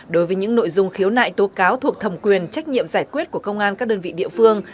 đối với những nội dung khiếu nại tố cáo thuộc thẩm quyền trách nhiệm giải quyết của công an các đơn vị địa phương